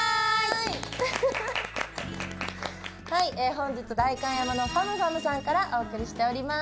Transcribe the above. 本日、代官山のＦａｍＦａｍさんからお送りしております。